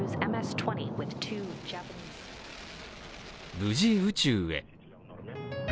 無事、宇宙へ。